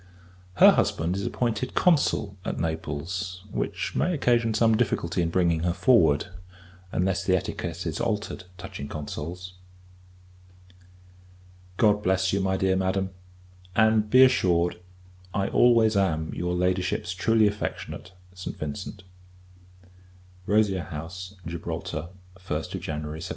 Her husband is appointed Consul at Naples; which may occasion some difficulty in bringing her forward, unless the etiquette is altered touching Consuls. God bless you, my dear Madam; and, be assured, I always am your Ladyship's truly affectionate ST. VINCENT. Rosia House, Gibraltar, 1st January 1799.